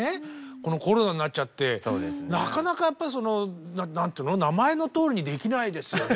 このコロナになっちゃってなかなかやっぱりその名前のとおりにできないですよね。